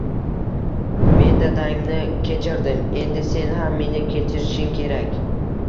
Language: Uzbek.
Men dadangni kechirdim, endi sen ham meni kechirishing kerak